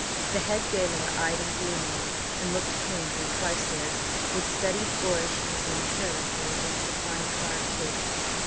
The head gaoler eyed him gloomily, and looked pained when Carstares with studied boorishness leaned carelessly against a fine carved table.